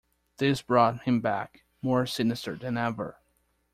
This brought him back, more sinister than ever.